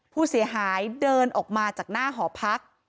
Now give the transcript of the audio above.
ผู้เสียหายเดินออกมาจากหน้าหอพัก